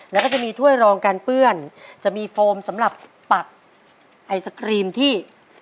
แล้วก็จะมีถ้วยรองการเปื้อนจะมีโฟมสำหรับปักไอศครีมที่